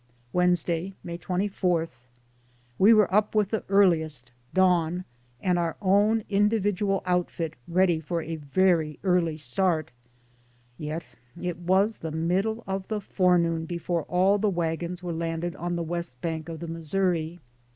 Wednesday, May 24. We were up with the earliest dawn, and our own individual outfit ready for a very early start, yet it was the middle of the fore noon before all the wagons were landed on the west bank of the Missouri.